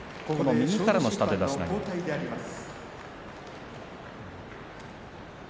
右からの下手出し投げです。